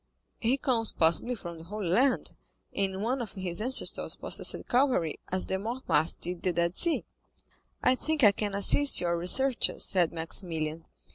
"He comes possibly from the Holy Land, and one of his ancestors possessed Calvary, as the Mortemarts did the Dead Sea." "I think I can assist your researches," said Maximilian.